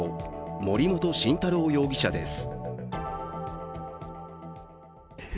森本晋太郎容疑者です。